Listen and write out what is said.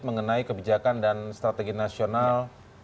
mengenai kebijakan dan strategi nasional